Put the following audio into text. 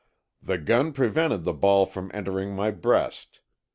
"The gun prevented the ball from entering my breast.